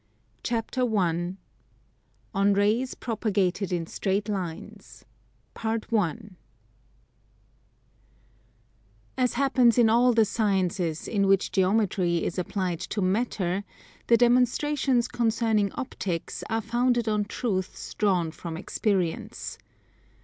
CHAPTER I ON RAYS PROPAGATED IN STRAIGHT LINES As happens in all the sciences in which Geometry is applied to matter, the demonstrations concerning Optics are founded on truths drawn from experience.